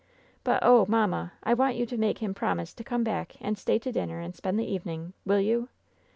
But, oh, mamma, I want you to make him promise to come back and stay to dinner and spend the evening — ^will you